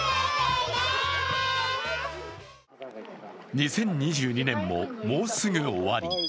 ２０２２年ももうすぐ終わり。